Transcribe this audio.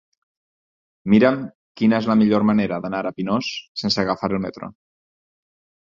Mira'm quina és la millor manera d'anar a Pinós sense agafar el metro.